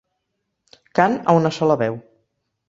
Cant a una sola veu.